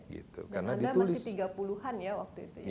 dan anda masih tiga puluh an ya waktu itu ya